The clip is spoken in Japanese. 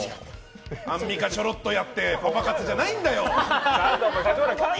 アンミカ、ちょこっとやってパパ活じゃないんだよ。